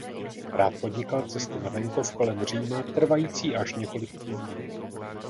Rád podnikal cesty na venkov kolem Říma trvající až několik týdnů.